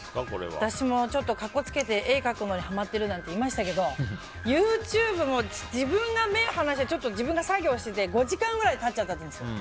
私も格好つけて絵を描くのにはまってるなんて言いましたけどＹｏｕＴｕｂｅも自分が目を離しててちょっと自分が作業していて５時間ぐらい経っていたんです。